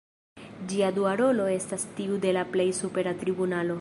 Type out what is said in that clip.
Ĝia dua rolo estas tiu de la plej supera tribunalo.